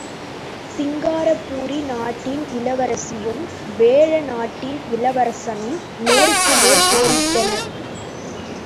சிருங்காரபுரி நாட்டின் இளவரசியும் வேழநாட்டின் இளவரசனும் நேருக்கு நேர் போரிட்டனர்.